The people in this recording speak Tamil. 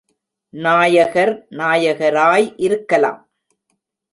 நாயகர் நாயகராய் இருக்கலாம்.